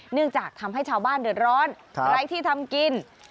เนื่องจากทำให้ชาวบ้านเดือดร้อนไร้ที่ทำกิน